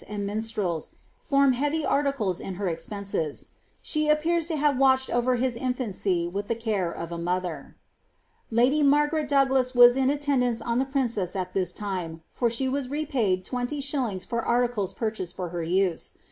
sod minalrfU, form heavy article) in her expenses. Slie appean lo Jiave walclied over hia infancy wiih the care of A moiher. Ljtdy Msrf^rel Doiiglag was in attendanre on the princess ai this liinei for she WHS repaid 2Ui. lor articles purchased for her use.